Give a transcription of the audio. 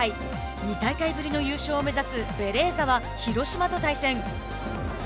２大会ぶりの優勝を目指すベレーザは広島と対戦。